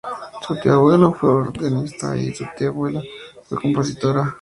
Su tío abuelo fue organista, y su tía abuela fue compositora.